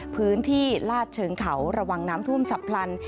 พื้นที่ลาดเชิงเขาระวังน้ำท่วมฉับพลัน